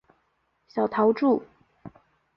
小桃纻